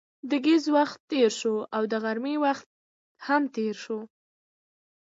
د ګهیځ وخت تېر شو او د غرمې هم تېر شو.